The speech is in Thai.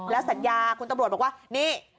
แล้วสัญญาคุณตำรวจบอกว่านี่